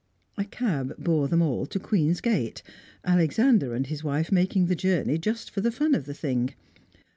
A cab bore them all to Queen's Gate, Alexander and his wife making the journey just for the fun of the thing.